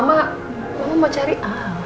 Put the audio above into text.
mama mau cari al